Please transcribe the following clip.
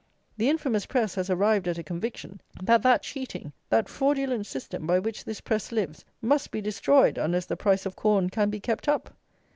The infamous press has arrived at a conviction, that that cheating, that fraudulent system by which this press lives, must be destroyed unless the price of corn can be kept up.